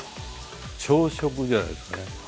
朝食じゃないですかね。